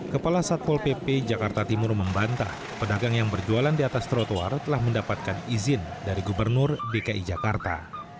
kepala satpol pp jakarta timur membantah pedagang yang berjualan di atas trotoar telah mendapatkan izin dari gubernur dki jakarta